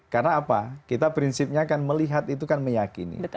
karena apa kita prinsipnya kan melihat itu kan meyakini